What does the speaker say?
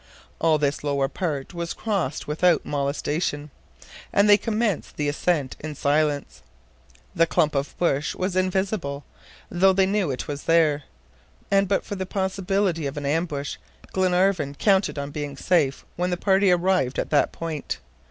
All this lower part was crossed without molestation, and they commenced the ascent in silence. The clump of bush was invisible, though they knew it was there, and but for the possibility of an ambush, Glenarvan counted on being safe when the party arrived at that point.